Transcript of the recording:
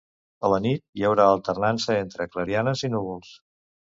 A la nit hi haurà alternança entre clarianes i núvols.